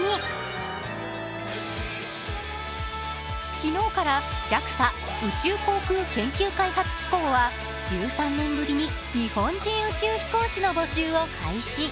昨日からＪＡＸＡ＝宇宙航空研究開発機構は１３年ぶりに日本人宇宙飛行士の募集を開始。